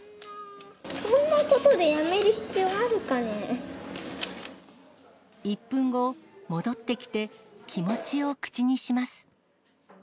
こんなことでやめる必要ある１分後、戻ってきて気持ちを口にします。